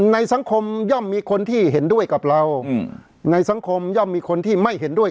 ในสังคมย่อมมีคนที่เห็นด้วยกับเราในสังคมย่อมมีคนที่ไม่เห็นด้วย